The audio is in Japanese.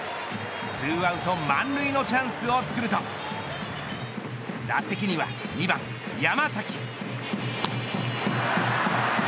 ２アウト満塁のチャンスをつくると打席には２番、山崎。